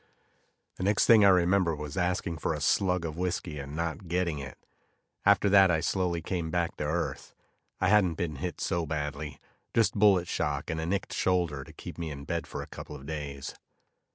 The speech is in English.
The next thing I remember was asking for a slug of whiskey and not getting it. After that, I slowly came back to earth. I hadn't been hit so badly; just bullet shock and a nicked shoulder to keep me in bed for a couple of days.